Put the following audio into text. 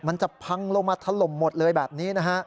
มันจะพังลงมาถล่มหมดเลยแบบนี้นะฮะ